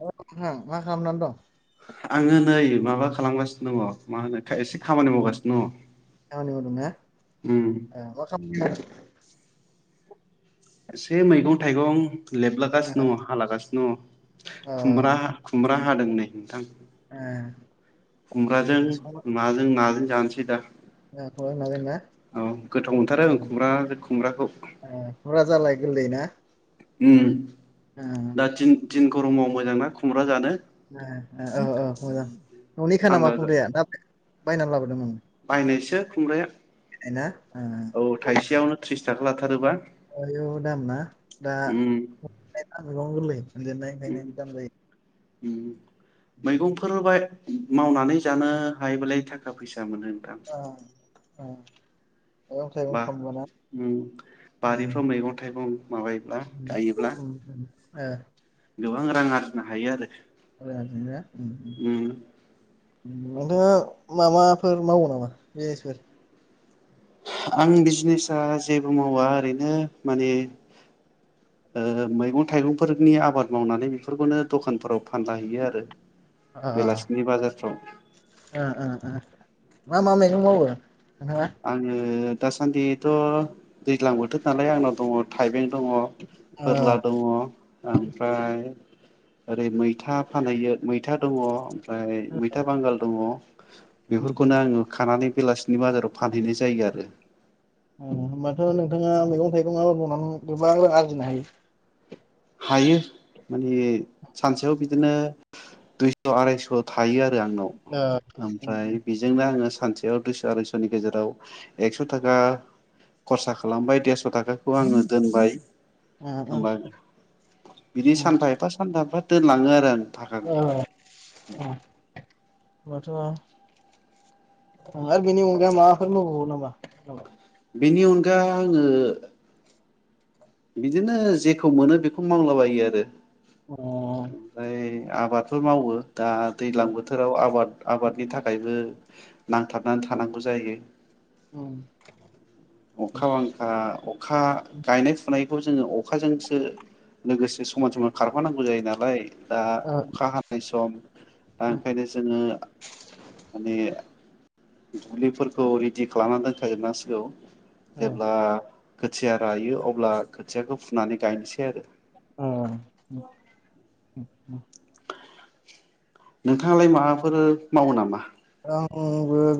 औ नोंथां मा खालामनानै दं? आङो नै माबा खालामगासिनो दङ मा होनो एसे खामानि मावगासिनो दङ, खामानि मावदोंना उम ओ मा खामानि? इसे मैगं-थाइगं ओ लेबलागासिनो दङ हालागासिनो दङ ओ खुमब्रा खुमब्रा हादों नै नोंथां, ए खुमब्राजों माजों माजों जानोसै दा खावनाय माबादों ना औ गोथाव ओ मोनथारो खुमब्रा खुमब्राखौ ब्रा जालाय गोरलै ना? ओम ओ दा थिन दिन गरमाव मोजां ना खुमब्रा जानो ओ ओ ओ ओ मोजां न'निखा ना मा थान्दा खुमब्राया ना? बायनानै लाबोदों नों बायनायसो खुमब्राया ना ओ औ थाइसेयावनो थ्रिस थाखा लाथारोबा आयु दाम ना दा उम फानलौ गोरलै मोनजेनाय खायनो दाम जायो, ओम मैगंफोर बाय मावनानै जानो हायोबालाय थाखा फैसा मोनो नोंथां अ अ बा उम ओ बारिफ्राव मैगं थाइगं माबायोब्ला गायोब्ला उम उम ओ गोबां रां आरजिनो हायो आरो मोजांसो ना उम उम नोंथाङा माबाफोर मावो नामा बिसनेसफोर आं बिजनेसा जेबो मावा ओरैनो माने ओ मैगं थाइगंफोरनि आबाद मावनानै बेफोरखौनो दखानफोराव फानला हैैयो आरो ओ बेलासिनि बाजारफ्राव ओ ओ मा मा मैगं मावो नोंथाङा? आङो दासान्दिथ दैज्लां बोथोर नालाय आंनाव दङ थाइबें दङ ओ फोरला दङ ओमफ्राय ओरै मैथा फानहैयो मैथा दङ ओमफ्राय मैथा बांगाल दङ उम बेफोरखौनो उम आङो खानानै बेलासिनि बााजाराव फानहैनाय जायो आरो ओम होनबाथ नोंथाङा मैगं थाइगं आबाद मावनानै गोबां रां आरजिनो हायो हायो माने सानसेयाव बिदिनो दुइस आरायस थायो ओ आंनाव उम उम ओमफ्राय बेजोंनो आङो सानसेयाव दुइस आरायसनि गेजेराव एकस थाखा खरसा खालामबाय देरस थाखाखौ आङो दोनबाय ओम ओम होमबा बिदि सानफा एफा सानफा एफा दोन लाङो आरो आं ओ थाकाखौ होनबाथ' आरो बिनि अनगा माबाफोर मावबावो नामा बेनि अनगा आङो बिदिनो जेखौ मोनो बेखौ मावलाबायो आरो अ ओमफ्राय आबादफोर मावो दा दैज्लां बोथोराव आबाद आबादनि थाखायबो नांथाबनानै थानांगौ जायो उम अखा बांखा अखा गायनाय फुनाय जोङो अखाजोंसो लोगोसे समान समान खारफानांगौ जायो नाला लाय दा ओ अखा हानाय सम दा उम ओंखायनो जोङो माने दुब्लिफोरखौ रेडि खालामना दोनखाजोबनां सिगौ ओ जेब्ला खोथिया रायो अब्ला खोथियाखौ फुनानै गायनोसै आरो [unintelligible] नोंथाङालाय माबाफोर मावो नामा आंबो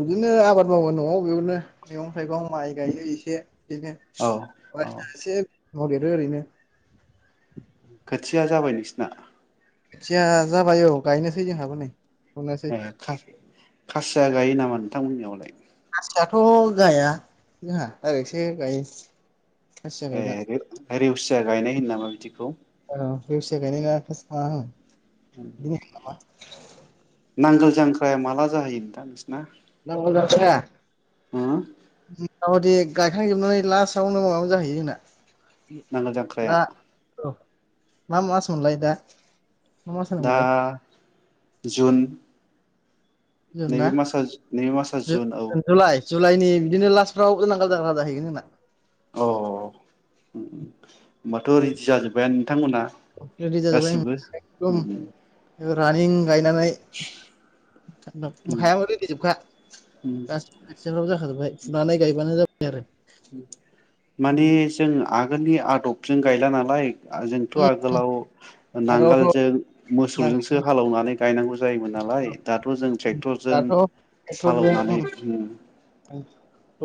बिदिनो आबाद मावो न'आव बेयावनो मैगं थाइगं माइ गायो एसे औ बिदिनो औ एसे [unintelligible] ओरैनो खोथिया जाबाय नोंसिना खोथिया जाबाय औ गायनोसै जोंहाबो नै फुनोसै ए खासिया गायो नामा नोंथां मोननि आवलाय खासियाथ' गाया जोंहा ओरैनसो गायो खासिया गायला ए रेवसिया गायनाय होनो नामा बिदिखौ रेवसिया गायनाय नङा [unintelligible] नांगोल जांख्राया माला जाहैयो नोंथां नोंसिना नांगोल जांख्राया [unintelligible] औ दे गायखांजोबनानै लास्टआवनो माबा जाहैयो जोंना नांगोल जांख्राया [unintelligible] मा मास मोनलाय दा मा मास दा होनोमोनलाय जुन [unintelligible] नैबे मासआ नैबे मासआ जुन औ जुलाइ जुलाइनि बिदिनो लास औ नांगोल [unintelligible] अ होनबाथ' रेडि जाजोब्बायानो बिथांमोना रेडि जाजोब्बाय गासिबो एकदम [unintelligible] गायनानै हायाबो रेदि जोबखा गासिबो खोथिफ्राबो जाखाजोब्बाय फुनानै गायबानो जाबाय आरो माने जों आगोलनि आदब जों गायला नालाय। जोंथ' जाबाय आगोलाव आगोलावथ' नांगोलजों मोसौजोंसो दाथ' हालेवनानै गायनांगौ जायोमोन नालाय। दाथ' जों ट्रेक्टरजों ट्रेक्टरजों हालेवनानै उम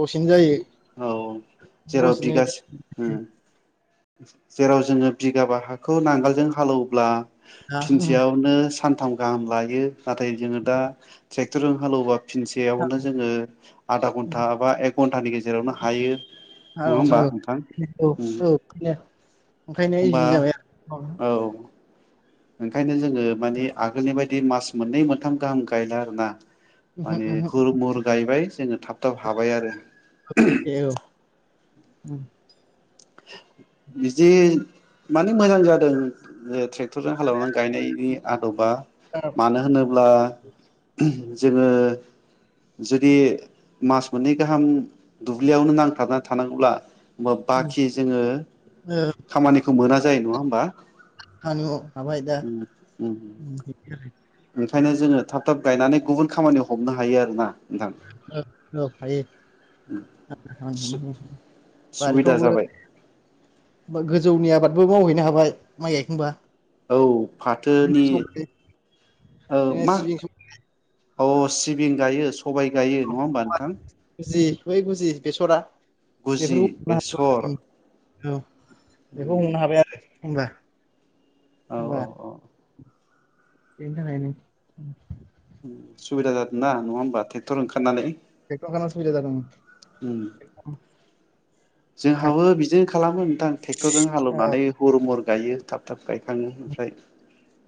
दसेनो जायो। औ जेराव दसेनो बिगासे उम जेराव जोङो बिगाबा हाखौ नांगोलजों हालौब्ला दा उम फिनसेयावनो सान्थाम गाहाम लायो। नाथाय जोङो दा ट्रेक्टरजों हालौबा फिनसेयावनो जोङो आधा घन्टा बा एक घन्टानि गेजे जेरावनो हायो औ नङा औ होमबा नोंथां। बेनो उम ओंखायनो होनबा इजि जाबाय आरो औ ओंखायनो जोङो मानि आगोलनि बायदि मास मोननै मोन्थाम गाहाम गायला आरोना। उमहो माने उमहो हुर मुर गायबाय जोङो थाब थाब हाबाय आरो। दे [inaudible] बिदि माने मोजां जादों बे ट्रे क्टरजों खालामनानै गायनायनि आदबा। दा मानो होनोब्ला जोङो जुदि मास मोननै गाहाम दुब्लियावनो नांथाबनानै थानांगौब्ला [inaudible] [unintelligible] उम जोङो ओ खामानिखौ मोना जायो नङा होमबा। [unintelligible] हाबायदा बेनिखायनो जोङो थाब थाब गायनानै गुबुन खामानियाव हमनो हायो आरोना। नोंथां औ औ हायो। सुबिदा जाबाय बारिफ्रावबो गोजौनि आबाद बो मावहैनो हाबाय माइ गायखांबा। औ फाथोनि बिदिनो सबाय औ बिदिनो मा सिबिं औ औ सिबिं गायो सबाइ गायो। नङा होमबा नोंथां? जय बुजि बेसरा गुजि बेफोरखौ हमनो बेसर। हाबाय औ। बेखौ हमनो हाबाय आरो होनबा। औ औ औ। बेनि‌ थाखायनो। सुबिदा जादों ना। नङा होमबा ट्रेक्टर ओंखारनानै? उम [unintelligible] थाब जोंहाबो बिदिनो खालामो नोंथां टेक्टरजों हालेवनानै हुर मुर। गायो थाब थाब। गायखाङो ओमफ्राय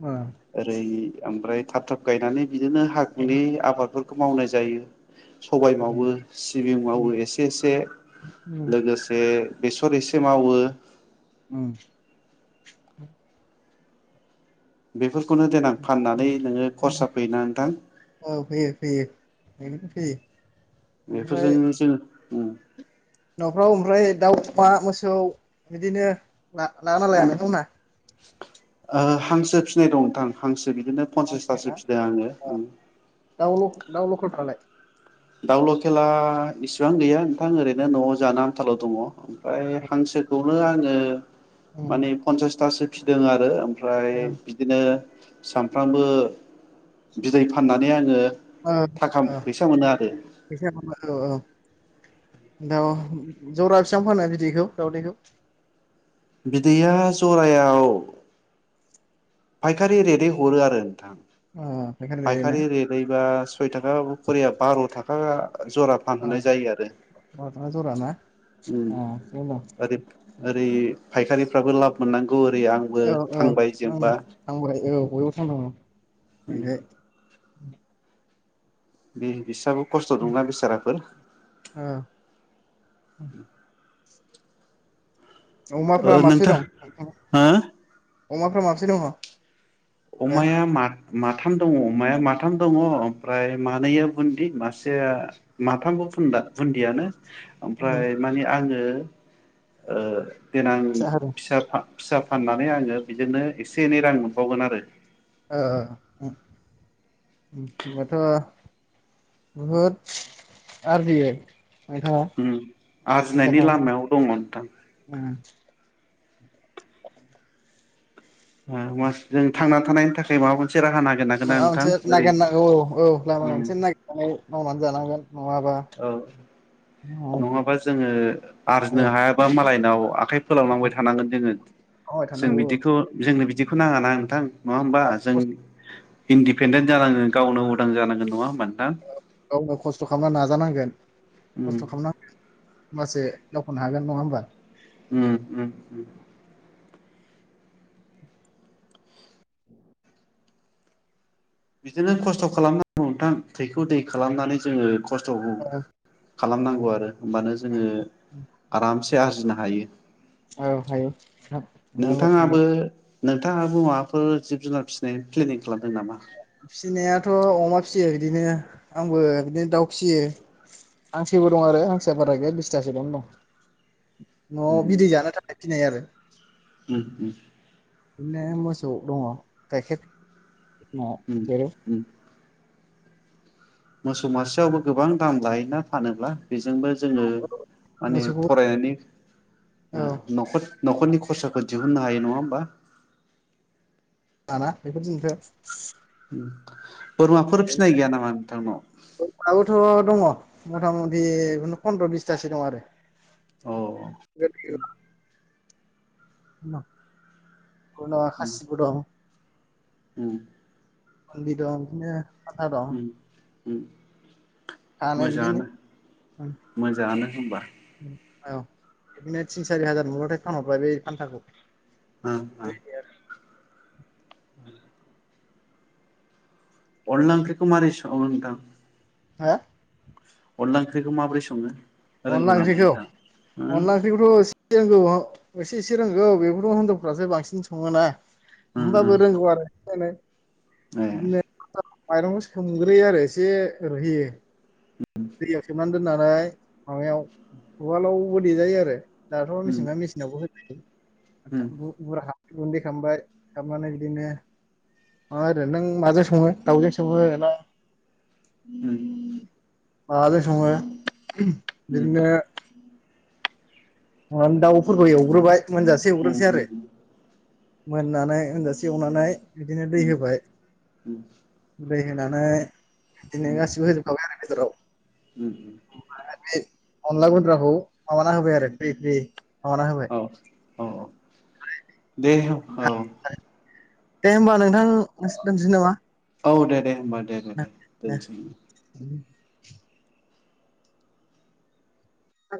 ओ ओरै ओमफ्राय। थाब थाब गायनानै। बिदिनो हाखुनि आबादफोर खौ मावनाय जायो। सबाय मावो उम सिबिं मावो एसे एसे। उम लोगोसे। बेसर एसे मावो। ओं। [unintelligible] खौनो देनां फाननानै नोङो खरसा फैयोना नोंथां। औ फैयो [unintelligible] ओमफ्राय बेफोरजोंनो जोङो। नफ्राव ओमफ्राय दाउ अमा मोसौ बिदिनो [unintelligible] नोंथांमोनहा। ओ हांसो फिनाय दं [unintelligible] [unintelligible] बांसिन फनसासथासो ना फिदों आङो। दाउ दाउ लकेलफ्रालाय दाउ लकेला इसिबां गैया नोंथां ओरैनो नआव जानो आनथाल' दङ। फ्राय हांसोखौ [unintelligible] उम माने पनसासथासो फिदों आरो। ओमफ्राय ओ बिदिनो सामफ्रामबो बिदै फाननानै आङो। ओ थाखा ओ फैसा मोना [unintelligible] [unintelligible] दाउ जरा बिसबां फानो बिदैखौ दावदैखौ? बिदैया जरायाव फायखारि रेदै हरो आरो नोंथां। ओ ओरैनो फायखारि रेदैबा सय थाखा खरिया बार था [unintelligible] जरा फानहरनाय जायो आरो ओ जरा ना उम ओ ओरै ओरै फायखारिफ्राबो लाब मोननांगौ बो ओरै आंबो औ औ थांबाय ओं जेनबा थांबाय औ बयबो थांनागौ । [inaudible] [inaudible] उम बि-बिसां खस्थ दंना बेसाराफोर । औ ओ अमाफ्रा माबसे नोंथां दं हा? अमाफ्रा माबैसे दङ? दा अमाया मा माथाम दङ अमाया माथाम दङ ओमफ्राय मानैया बुन्दि मासेया माथामबुन्दा बुन्दियानो । ओमफ्राय उम माने आङो ओ । देनां फिसा फा फिसा फाननानै आङो बिजोंनो एसे एनै रां मोनबावगोन आरो । ओ होनबाथ बहुद आरजियो? नोंथाङा ओम आरजिनायनि फैसाखौ लामायाव दङ नोंथां । माबा ओम [unintelligible] जों थांनानै थानायनि थाखाय माबाफोर माबा मोनसे नागिरनांगौ औ औ लामा उम मोनसे औ नागिरनानै मावनानै जानांगोन । औ नङाबा जोङो औ आरजिनो हायाबा मालाय नाव आखाइ फोलावलांबाय थानांगोन जोङो मावबाय जों थानांगौ औ बिदिखौ जोंनो बिदि फोनाङाना नोंथां । नङा होमबा आरो जों? खस्थ' इन्दिपेन्डेन्ट जानांगोन गावनो उदां जानांगोन नङा होनमबा नों गावनो खस्थ खालामनानै नाजानांगोन। उम। खस्थ' खालामनांगोन होमबासो दावखोनो हागोन नङा होमबा? उम उम उम। बिदिनो खस्थ खालामनांगौ नोंथां थैखौ दै खालामनानै जोङो खस्थखौ औ खालामनांगौ आरो । होनबानो जोङो आरामसे आरजिनो हा हायो औ हायो नोंथां नङाब्ला नोंथाङाबो नोंथाङाबो माबाफोर जिब जुनार फिसिनाय प्लेनिं खालामदों नामा? फिसिनायाथ' अमा फिसियो बिदिनो आंबो बिदिनो दाउ फियो। हांसोबो दं आरो हांसोआ बारा गैया बिसथासोल' दं। न'आव उम बिदै जानो थाखाय फिनाय आरो उम उम बिदिनो मोसौ दङ गाइखेर न'आव उम सेरो उम मोसौ मासेयावबो गोबां दाम लायोना फानोब्ला बेजोंबो जोंङो माने मोसौखौ फरायनायनि औ न'खर न'खरनि खरसाखौ दिहुननो हायो नङा होमबा [unintelligible] [unintelligible] बोरमाफोर फिनाय गैया नामा नोंथांनाव? दाउआबोथ' दङ मथा मथि पन्द्र' बिसथासो दं आरो अ गोरलै गोरलाम [unintelligible] बोरमा उम खासिबो दं उम बुन्दि दं इदिनो उम उम फानो बिदिनो मोजांङानो मोजांङानो होमबा औ बिदिनो थिन सारि हाजार मोनब्लाथाय फानहरबाय बे फान्थाखौ। ओ ओ। [inaudible] अनला ओंख्रिखौ मारै संङो नोंथां? हा। अनला ओंख्रिखौ माब्रोरै संङो? अनला ओंख्रिखौ अनला ओंख्रिखौथ' एसे रोंगौ ओ एसे एसे रोंगौ बेफोरखौ हिनजावफ्रासो बांसिन सङोना। ओ होमबाबो ओ रोंगौ आरो एसे एनै ए। बिदिनो माइरंखौ सोमग्रोयो आरो एसे रुयहोयो। दैयाव सोमनानै दोननानै माबायाव उवालावबो देजायो आरो। दाथ' उम मेसेंना मेसिनावबो हो उम [unintelligible] [inaudible] गुन्दै खामबाय खामनानै बिदिनो माबा आरो नों माजों सङो दाउजों सङो ना हम। माबाजों सङो बिदिनो उम दाउ फोरखौ एवग्रोबाय मोनजासे उम एवग्रोनोसै आरो। मोननानै मोनजासे एवनानै बिदिनो दै उम होबाय उम। दै होनानै बिदिनो गासैबो होजोबखाबाय आरो। बेदराव उम उम। बे अनला गुन्द्राखौ माबाना होबाय आरो। फ्रि फ्रि माबाना होबाय। औ औ औ। दे औ। दे होमबा नों थां दोनसै नामा औ दे दे होमबा दे दे दे दे। दोनसै।